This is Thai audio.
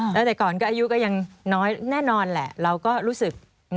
แล้วแต่ก่อนก็อายุก็ยังน้อยแน่นอนแหละเราก็รู้สึก